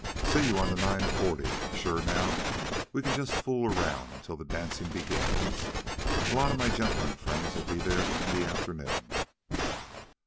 See you on the nine forty. Sure now. We can just fool around until the dancin' begins. A lot of my gentlemen friends'll be there in the afternoon."